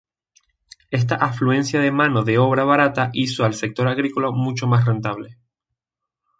Esta afluencia de mano de obra barata hizo al sector agrícola mucho más rentable.